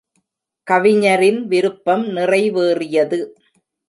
கவிஞரின் விருப்பம் நிறைவேறியது.